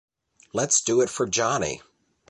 Let's Do It for Johnny!!